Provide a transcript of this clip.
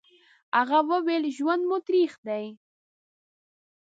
هغه وويل: ژوند مو تريخ دی.